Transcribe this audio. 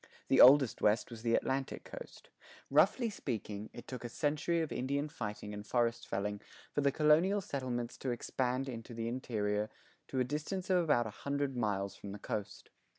The oldest West was the Atlantic coast. Roughly speaking, it took a century of Indian fighting and forest felling for the colonial settlements to expand into the interior to a distance of about a hundred miles from the coast.